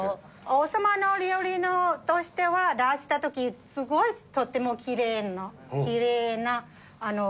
王様の料理としては出した時すごいとってもきれいなきれいな巻き方。